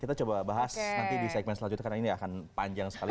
kita coba bahas nanti di segmen selanjutnya karena ini akan panjang sekali